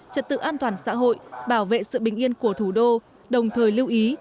trật tự an toàn xã hội bảo vệ sự bình yên của thủ đô đồng thời lưu ý